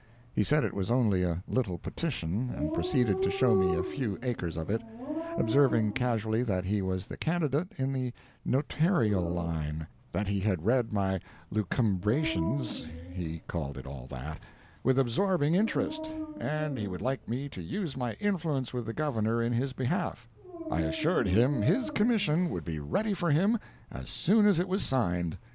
He said it was only a little petition, and proceeded to show me a few acres of it, observing casually that he was the candidate in the notarial line—that he had read my lucumbrations (he called it all that) with absorbing interest, and he would like me to use my influence with the Governor in his behalf. I assured him his commission would be ready for him as soon as it was signed.